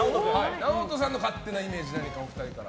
ＮＡＯＴＯさんの勝手なイメージをお二人から。